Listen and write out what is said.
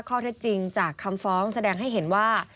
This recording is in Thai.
ข้อเท็จจริงจากคำฟ้องแสดงให้เห็นว่า